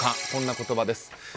こんな言葉です。